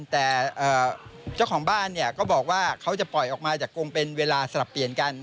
แต่เจ้าของบ้านเนี่ยก็บอกว่าเขาจะปล่อยออกมาจากกงเป็นเวลาสลับเปลี่ยนกัน